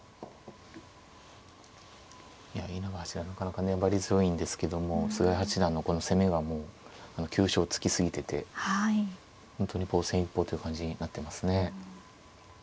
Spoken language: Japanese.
稲葉八段なかなか粘り強いんですけども菅井八段のこの攻めがもう急所を突き過ぎてて本当に防戦一方という感じになってますね。